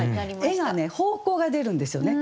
絵がね方向が出るんですよね。